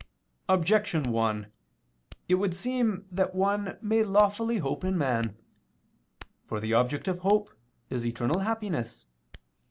Objection 1: It would seem that one may lawfully hope in man. For the object of hope is eternal happiness.